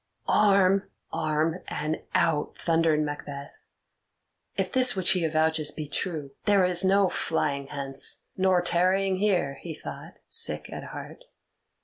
"Arm, arm, and out!" thundered Macbeth. "If this which he avouches be true, there is no flying hence nor tarrying here," he thought, sick at heart.